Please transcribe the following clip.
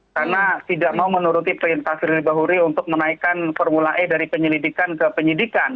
karena tidak mau menuruti perintah sri ribahuri untuk menaikkan formula e dari penyelidikan ke penyidikan